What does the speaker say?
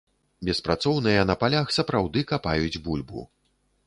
Беспрацоўныя на палях сапраўды капаюць бульбу.